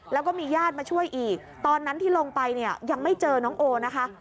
แล้วก็มีญาติมาช่วยอีกตอนนั้นที่ลงไปเนี่ยยังไม่เจอน้องโอนะคะ